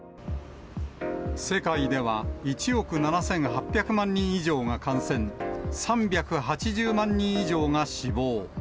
世界では１億７８００万人以上が感染、３８０万人以上が死亡。